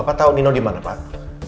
apa tahu nino di mana pak